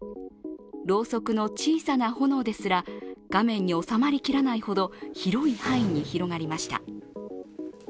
ろうそくの小さな炎ですら画面に収まりきらないほど広い範囲に広がりました。